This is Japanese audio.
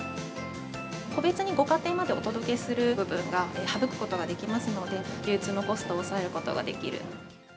個別にご家庭までお届けする部分が省くことができますので、流通のコストを抑えることができる。